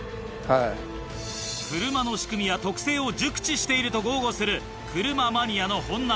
車の仕組みや特性を熟知していると豪語する車マニアの本並。